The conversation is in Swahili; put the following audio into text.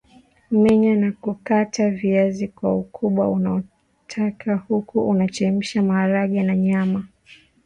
menya na kukata viazi kwa ukubwa unaotaka huku unachemsha maharage na nyama